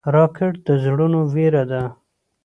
راکټ د زړونو وېره ده